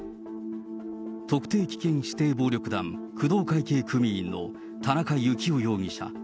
特定危険指定暴力団工藤会系組員の田中幸雄容疑者。